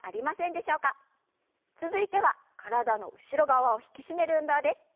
続いては体の後ろ側を引き締める運動です。